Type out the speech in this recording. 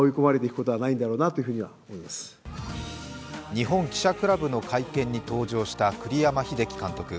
日本記者クラブの会見に登場した栗山英樹監督。